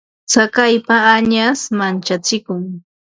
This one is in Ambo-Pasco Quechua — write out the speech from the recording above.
Tsakaypa añash manchachikun.